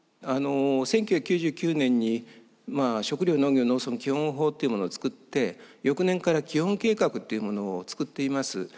あの１９９９年に食料・農業・農村基本法っていうものを作って翌年から基本計画っていうものを作っています。